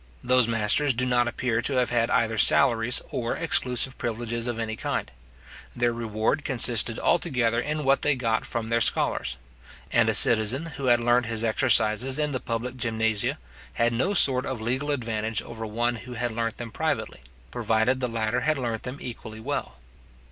Those masters do not appear to have had either salaries or exclusive privileges of any kind. Their reward consisted altogether in what they got from their scholars; and a citizen, who had learnt his exercises in the public gymnasia, had no sort of legal advantage over one who had learnt them privately, provided the latter had learned them equally well.